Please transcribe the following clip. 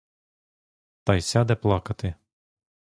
Та й сяде плакати.